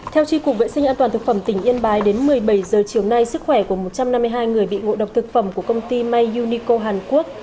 theo tri cục vệ sinh an toàn thực phẩm tỉnh yên bái đến một mươi bảy h chiều nay sức khỏe của một trăm năm mươi hai người bị ngộ độc thực phẩm của công ty may unico hàn quốc